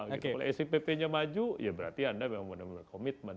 kalau sipp nya maju ya berarti anda memang benar benar komitmen